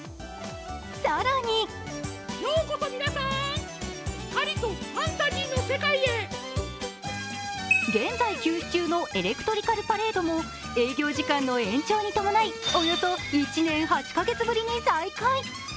更に現在休止中のエレクトリカルパレードも営業時間の延長に伴いおよそ１年８カ月ぶりに再開。